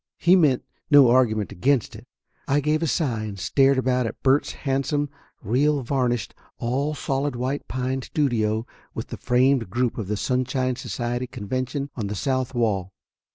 He meant no argument against it. I give a sigh and stared about at Bert's handsome, real varnished, all solid white pine studio with the framed group of the Sunshine Society Convention on the south wall.